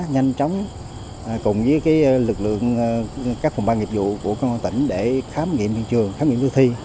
nhanh chóng cùng với lực lượng các phòng ban nghiệp vụ của tỉnh để khám nghiệm hiện trường khám nghiệm tư thi